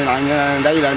mình thấy rằng